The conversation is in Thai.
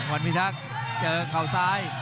วันพิทักษ์เจอเขาซ้าย